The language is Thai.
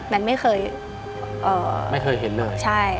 มันไม่เคยไม่เคยเห็นเลยใช่